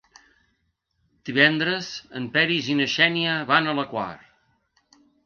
Divendres en Peris i na Xènia van a la Quar.